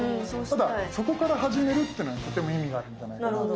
ただそこから始めるっていうのがとても意味があるんじゃないかなと。